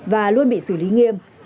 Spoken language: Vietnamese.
và luôn bị xử lý nghiêm